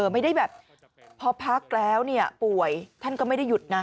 ไม่ได้แบบพอพักแล้วป่วยท่านก็ไม่ได้หยุดนะ